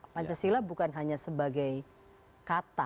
pancasila bukan hanya sebagai kata